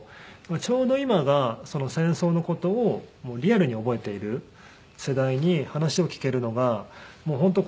ちょうど今が戦争の事をリアルに覚えている世代に話を聞けるのが本当